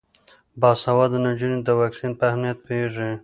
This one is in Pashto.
باسواده نجونې د واکسین په اهمیت پوهیږي.